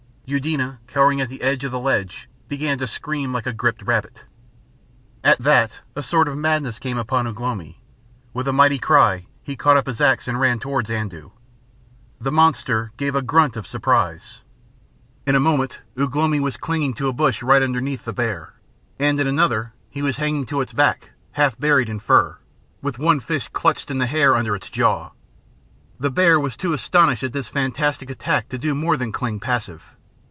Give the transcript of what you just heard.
Eudena, cowering at the end of the ledge, began to scream like a gripped rabbit. At that a sort of madness came upon Ugh lomi. With a mighty cry, he caught up his axe and ran towards Andoo. The monster gave a grunt of surprise. In a moment Ugh lomi was clinging to a bush right underneath the bear, and in another he was hanging to its back half buried in fur, with one fist clutched in the hair under its jaw. The bear was too astonished at this fantastic attack to do more than cling passive.